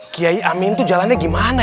kiai amin itu jalannya gimana